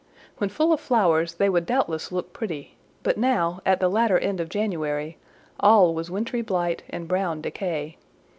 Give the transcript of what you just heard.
When full of flowers they would doubtless look pretty; but now, at the latter end of January, all was wintry blight and brown decay.